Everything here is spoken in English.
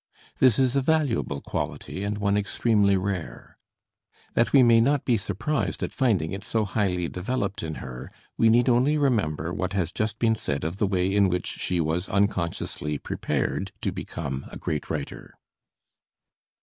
This is a valuable quality, and one extremely rare. That we may not be surprised at finding it so highly developed in her, we need only remember what has just been said of the way in which she was unconsciously prepared to become a great writer.